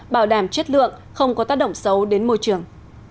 bảo đảm chất lượng không có tác động xấu đến môi trường